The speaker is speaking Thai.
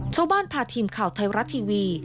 ชาวบ้านพาทีมข่าวไทยรัฐทีวี